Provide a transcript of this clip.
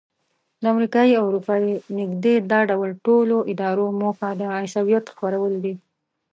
د امریکایي او اروپایي نږدې دا ډول ټولو ادارو موخه د عیسویت خپرول دي.